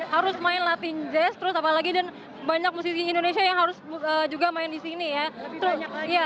harus main latin jazz terus apalagi dan banyak musisi indonesia yang harus juga main di sini ya